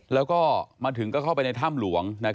แล้วก็มาถึงก็เข้าไปในถ้ำหลวง